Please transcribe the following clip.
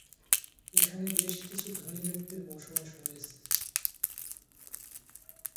এখানে বেশ কিছু ধনী ব্যক্তির বসবাস রয়েছে।